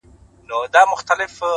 زړورتیا د عمل کولو توان دی’